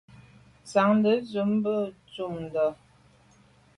Tsiante ndùb be ntùm ndà.